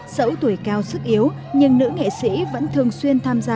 dẫu tuổi cao sức yếu nhưng nữ nghệ sĩ vẫn thường xuyên tham gia